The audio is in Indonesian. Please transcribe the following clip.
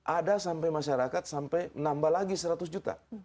ada sampai masyarakat sampai nambah lagi seratus juta